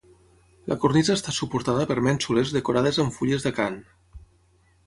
La cornisa està suportada per mènsules decorades amb fulles d'acant.